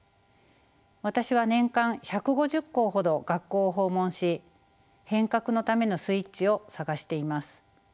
私は年間１５０校ほど学校を訪問し変革のためのスイッチを探しています。